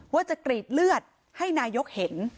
ว่าจะกรีดเลือดให้นายกเห็น